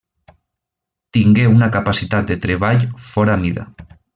Tingué una capacitat de treball fora mida.